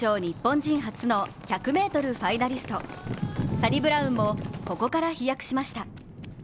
サニブラウンもここから飛躍しました。